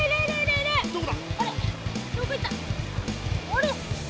あれ？